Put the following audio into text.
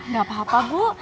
gak apa apa bu